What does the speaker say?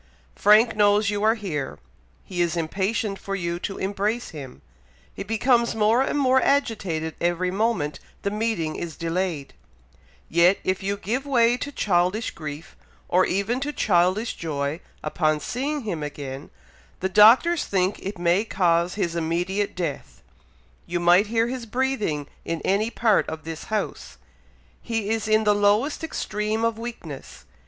Frank knows you are here; he is impatient for you to embrace him; he becomes more and more agitated every moment the meeting is delayed; yet if you give way to childish grief, or even to childish joy, upon seeing him again, the Doctors think it may cause his immediate death. You might hear his breathing in any part of this house. He is in the lowest extreme of weakness!